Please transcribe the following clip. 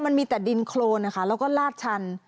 มันมีแต่ดินโครนนะคะแล้วก็ลาดชัน